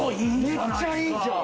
めっちゃいいじゃん！